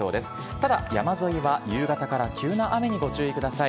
ただ山沿いは夕方から急な雨にご注意ください。